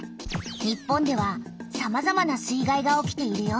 日本ではさまざまな水害が起きているよ。